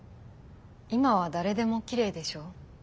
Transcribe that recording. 今は誰でもきれいでしょ？